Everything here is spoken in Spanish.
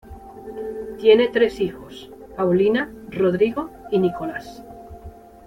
Tiene tres hijos, Paulina, Rodrigo y Nicolas.